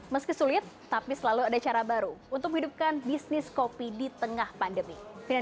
meski sulit tapi selalu ada cara baru untuk menghidupkan bisnis kopi di tengah pandemi